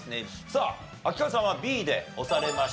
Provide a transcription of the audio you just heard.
さあ秋川さんはＢで押されました。